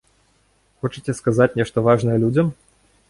Хочаце сказаць нешта важнае людзям?